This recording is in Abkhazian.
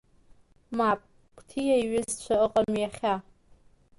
Мап, Қәҭиа иҩызцәа ыҟам иахьа.